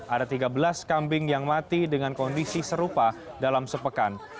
ada tiga belas kambing yang mati dengan kondisi serupa dalam sepekan